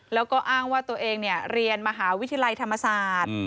แล้วก็อ้างว่าตัวเองเรียนมหาวิทยาลัยธรรมศาสตร์